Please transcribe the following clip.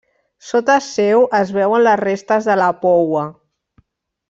Sota seu es veuen les restes de la poua.